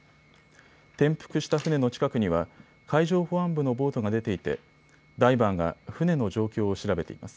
転覆した船の近くには海上保安部のボートが出ていてダイバーが船の状況を調べています。